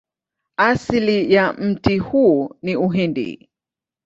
Asili ya mti huu ni Uhindi.